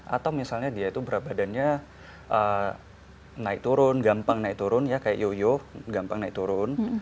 atau misalnya dia itu berat badannya naik turun gampang naik turun ya kayak yoyo gampang naik turun